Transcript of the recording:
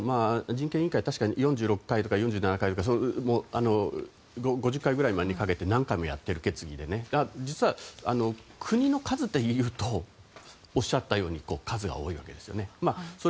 人権委員会、確かに４６回とか５０回くらいにかけて何回もやっている決議で実は、国の数でいうとおっしゃったように数は多いわけです。